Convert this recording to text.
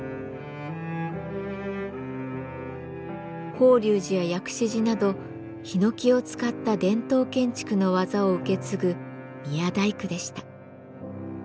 法隆寺や薬師寺などひのきを使った伝統建築の技を受け継ぐ宮大工でした。